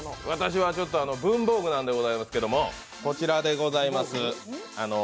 私は文房具なんでございますけれどもこちらでございます。